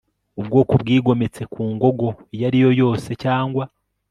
ubwoko bwigometse ku ngogo iyo ari yo yose yangwa